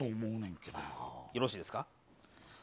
じゃあ、よろしいですか。